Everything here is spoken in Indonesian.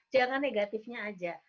jangan negatifnya aja